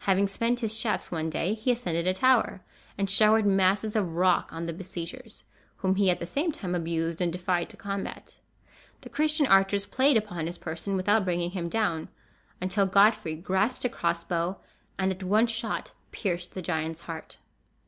Having spent his shafts one day, he ascended a tower, and showered masses of rock on the besiegers, whom he at the same time abused and defied to combat. The Christian archers played upon his person, without bringing him down; until Godfrey grasped a cross bow, and at one shot pierced the giant's heart.